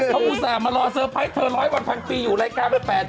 เขาอุตส่าห์มารอเซอร์ไพรส์เธอ๑๐๐วันพันปีอยู่รายการไป๘๐๐